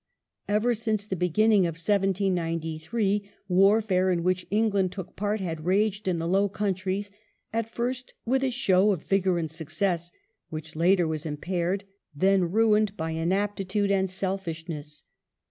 Ever since the beginning of 1793 warfare, in which England took part, had raged in the Low Countries, at first with a show of vigour and success, which later was impaired, then ruined by inaptitude and selfishness.